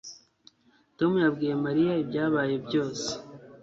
Tom yabwiye Mariya ibyabaye byose